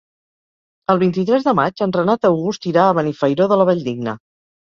El vint-i-tres de maig en Renat August irà a Benifairó de la Valldigna.